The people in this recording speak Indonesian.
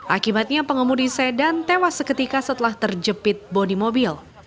akibatnya pengemudi sedan tewas seketika setelah terjepit bodi mobil